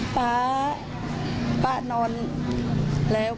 ป๊าป๊านอนแล้ว